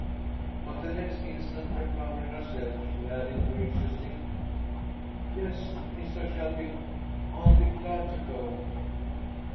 But the next instant recovering herself, she added, graciously, "Yes, Mistah Shelby, I'll be glad to go."